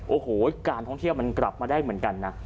โอ้โหการท่องเที่ยวมันกลับมาได้เหมือนกันนะ